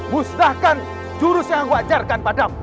musnahkan jurus yang aku ajarkan padamu